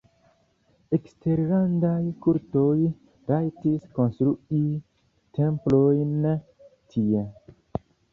Eksterlandaj kultoj rajtis konstrui templojn tie.